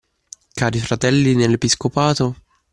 Cari fratelli nell'Episcopato